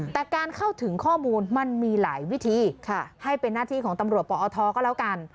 แต่การเข้าถึงข้อมูลมันมีหลายวิธีให้เป็นหน้าที่ของตำรวจปอทก็แล้วกัน